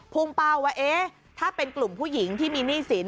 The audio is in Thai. เป้าว่าเอ๊ะถ้าเป็นกลุ่มผู้หญิงที่มีหนี้สิน